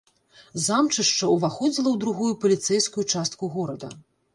Замчышча ўваходзіла ў другую паліцэйскую частку горада.